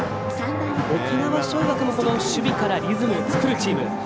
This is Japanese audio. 沖縄尚学も、この守備からリズムを作るチーム。